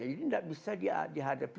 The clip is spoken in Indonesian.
jadi ini tidak bisa dihadapi